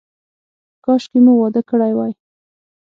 کاشکې مو واده کړی وای.